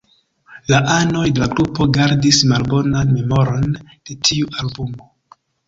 La anoj de la grupo gardis malbonan memoron de tiu albumo.